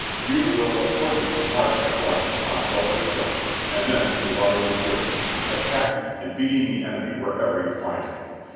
You will accordingly march at once upon Sulphur Springs and thence to Waterloo Bridge, attacking and beating the enemy wherever you find him.